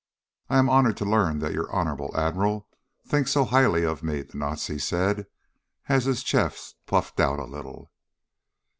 "I am honored to learn that your Honorable Admiral thinks so highly of me," the Nazi said as his chest puffed out a little.